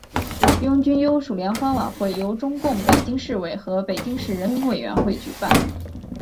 拥军优属联欢晚会由中共北京市委和北京市人民委员会举办。